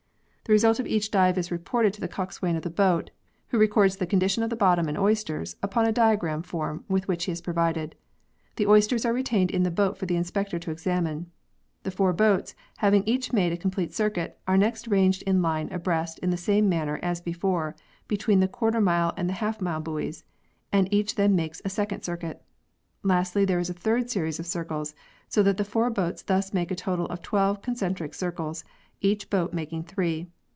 The result of each dive vi] A CEYLON PEARL FISHERY 75 is reported to the coxswain of the boat, who records the condition of bottom and oysters upon a diagram form with which he is provided. The oysters are retained in the boat for the inspector to examine. The four boats, having each made a complete circuit, are next ranged in line abreast in the same manner as before, between the ^ mile and the J mile buoys, and each then makes a second circuit. Lastly, there is a third series of circles, so that the four boats thus make a total of twelve concentric circuits, each boat making three.